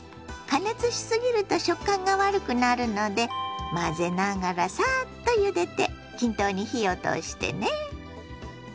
加熱しすぎると食感が悪くなるので混ぜながらサーッとゆでて均等に火を通してね。